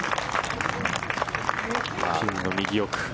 ピンの右奥。